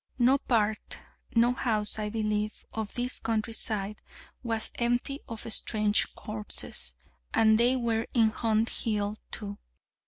No part, no house, I believe, of this country side was empty of strange corpses: and they were in Hunt Hill, too.